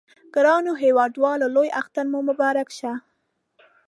ګرانو هیوادوالو لوی اختر مو مبارک شه!